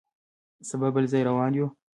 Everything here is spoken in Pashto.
سبا بل ځای روان یو.